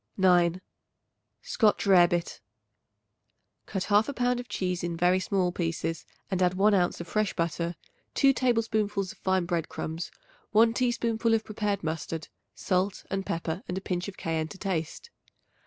9. Scotch Rarebit. Cut 1/2 pound of cheese in very small pieces and add 1 ounce of fresh butter, 2 tablespoonfuls of fine bread crumbs, 1 teaspoonful of prepared mustard, salt and pepper and a pinch of cayenne to taste.